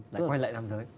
lại quay lại nam giới